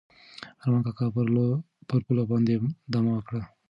ارمان کاکا پر پوله باندې دمه وکړه.